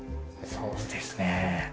そうですね。